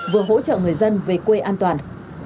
vừa hỗ trợ người dân về quê an toàn